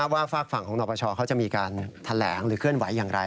ฝากฝั่งของนปชเขาจะมีการแถลงหรือเคลื่อนไหวอย่างไร